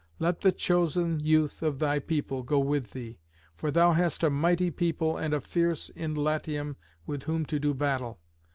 Let the chosen youth of thy people go with thee, for thou hast a mighty people and a fierce in Latium with whom to do battle.